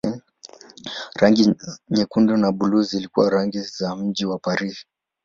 Rangi za nyekundu na buluu zilikuwa rangi za mji wa Paris.